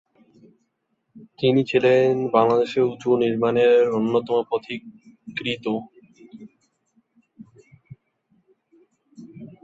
তিনি ছিলেন বাংলাদেশের উঁচু নির্মাণের অন্যতম পথিকৃৎ।